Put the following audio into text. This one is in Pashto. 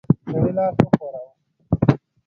سړي لاس وښوراوه.